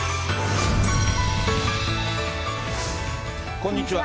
こんにちは。